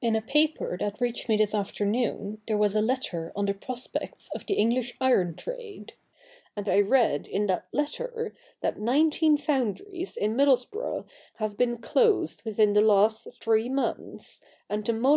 In a paper that reached me this afternoon there was a letter on the prospects of the English iron trade ; and I read in that letter that nineteen foundries in Middlesborough have been closed within the last three months, and the Moloch CH.